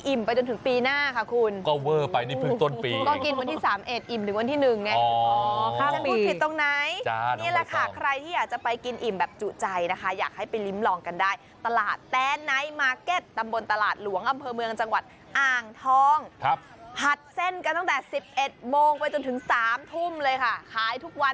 ไปจนถึงปีหน้าค่ะคุณก็เวอร์ไปนี่เพิ่งต้นปีก็กินวันที่สามเอ็ดอิ่มถึงวันที่หนึ่งไงไม่รู้ผิดตรงไหนนี่แหละค่ะใครที่อยากจะไปกินอิ่มแบบจุใจนะคะอยากให้ไปลิ้มลองกันได้ตลาดแตนไนท์มาร์เก็ตตำบลตลาดหลวงอำเภอเมืองจังหวัดอ่างทองครับผัดเส้นกันตั้งแต่๑๑โมงไปจนถึงสามทุ่มเลยค่ะขายทุกวัน